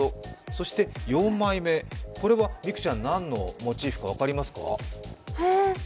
そして４枚目、これは美空ちゃん、何のモチーフか分かりますか？